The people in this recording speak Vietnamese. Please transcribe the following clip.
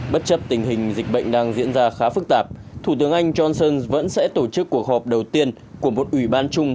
bất chấp tình hình dịch bệnh đang diễn ra khá phức tạp thủ tướng anh johnson vẫn sẽ tổ chức cuộc họp đầu tiên của một ủy ban chung